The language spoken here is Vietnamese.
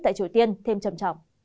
tại triều tiên thêm trầm trọng